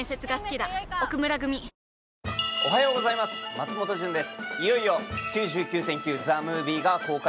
松本潤です。